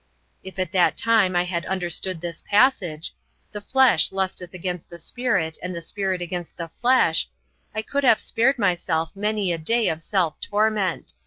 If at that time I had understood this passage, "The flesh lusteth against the Spirit, and the Spirit against the flesh," I could have spared myself many a day of self torment.